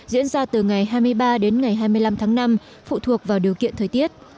diễn ra từ ngày hai mươi ba đến ngày hai mươi năm tháng năm phụ thuộc vào điều kiện thời tiết